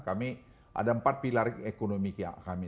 kami ada empat pilar ekonomi kami